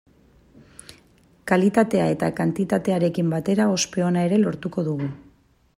Kalitatea eta kantitatearekin batera ospe ona ere lortuko dugu.